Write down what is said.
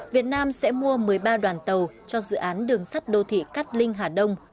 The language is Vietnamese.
việt nam sẽ mua một mươi ba đoàn tàu cho dự án đường sắt đô thị cát linh hà đông